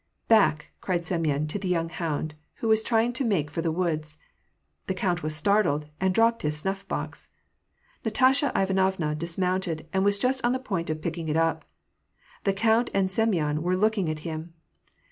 " Back," cried Semyon to the young hound, which was try ing to make for the woods. The count was startled, and dropped his snuff box. Nastasya Ivanovna dismounted, and was just on the point of picking it up. The count and Sem yon were looking at him.